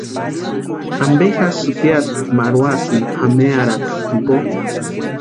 ¿Ampe jásï sïpiata marhasïni pʼamearhakwa jimpo?